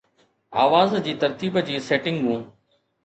آواز جي ترتيب جي سيٽنگون